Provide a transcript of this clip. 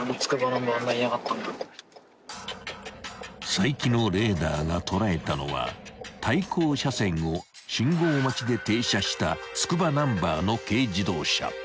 ［齋木のレーダーが捉えたのは対向車線を信号待ちで停車したつくばナンバーの］